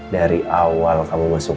dari awal kamu masuk